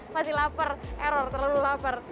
masih lapar error terlalu lapar